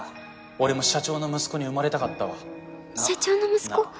俺も社長の息子に産まれたかったわ社長の息子